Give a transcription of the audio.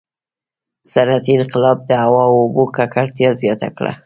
• صنعتي انقلاب د هوا او اوبو ککړتیا زیاته کړه.